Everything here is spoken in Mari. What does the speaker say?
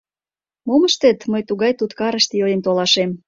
— Мом ыштет, мый тугай туткарыште илен толашем.